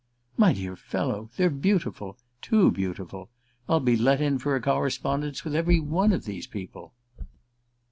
"My dear fellow, they're beautiful too beautiful. I'll be let in for a correspondence with every one of these people."